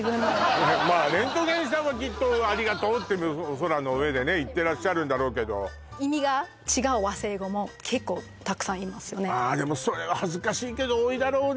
まあレントゲンさんはきっと「ありがとう」ってお空の上でね言ってらっしゃるんだろうけどああでもそれは恥ずかしいけど多いだろうね